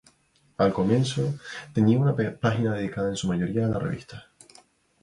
Al comienzo, tenía una página dedicada en su mayoría a la revista.